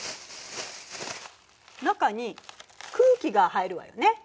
中に空気が入るわよね。